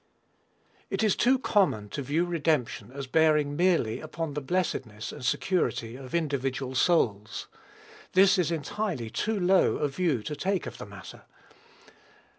It is too common to view redemption as bearing merely upon the blessedness and security of individual souls. This is entirely too low a view to take of the matter.